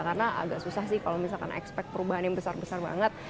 karena agak susah sih kalau misalkan expect perubahan yang besar besar banget